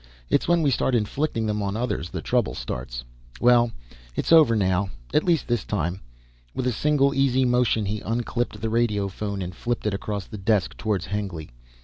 It's when we start inflicting them on others the trouble starts. Well, it's over now. At least this time." With a single, easy motion he unclipped the radiophone and flipped it across the desk towards Hengly.